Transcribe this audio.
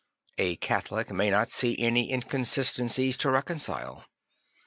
A Catholic may not see any inconsistencies to reconcile.